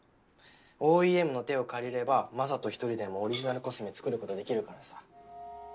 ＯＥＭの手を借りれば雅人１人でもオリジナルコスメ作ることができるからさ。